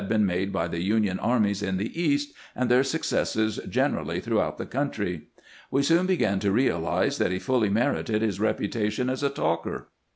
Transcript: been made by the Union armies in the East, and their successes generally throughout the country. We soon began to realize that he fuUy merited his reputation as a talker.